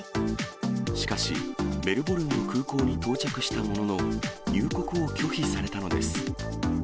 しかし、メルボルンの空港に到着したものの、入国を拒否されたのです。